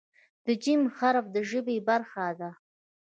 د "ج" حرف د ژبې برخه ده.